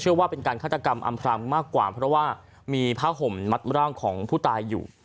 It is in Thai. ว่าเป็นการฆาตกรรมอำพรางมากกว่าเพราะว่ามีผ้าห่มมัดร่างของผู้ตายอยู่